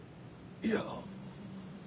いや。